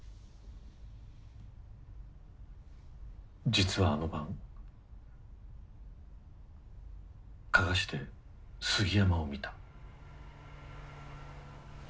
実はあの晩加賀市で杉山を見た。